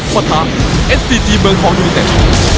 ภาทัพเอสตีจีเมืองคลองยูนิเต็ก